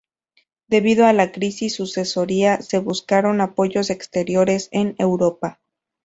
Debido a la crisis sucesoria, se buscaron apoyos exteriores en Europa.